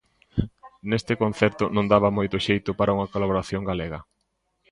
Neste concerto non daba moito xeito para unha colaboración galega.